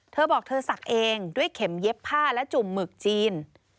เธอบอกเธอสักเองด้วยเข็มเย็บผ้าและจุ่มหมึกจีน